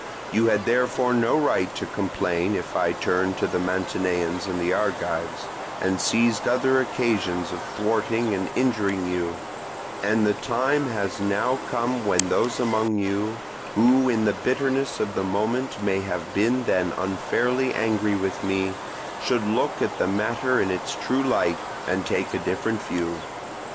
You had therefore no right to complain if I turned to the Mantineans and Argives, and seized other occasions of thwarting and injuring you; and the time has now come when those among you, who in the bitterness of the moment may have been then unfairly angry with me, should look at the matter in its true light, and take a different view.